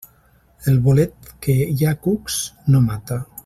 El bolet que hi ha cucs, no mata.